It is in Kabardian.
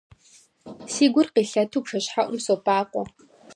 Си гур къилъэту бжэщхьэӀум собакъуэ.